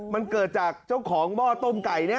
มันเกิดจากเจ้าของหม้อต้มไก่เนี่ย